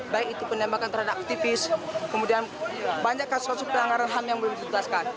baik itu penembakan terhadap aktivis kemudian banyak kasus kasus pelanggaran ham yang belum dituntaskan